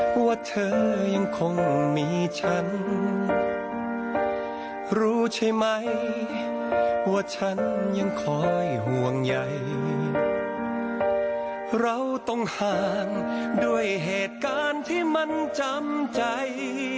เพลงใหญ่เราต้องห่างด้วยเหตุการณ์ที่มันจำใจ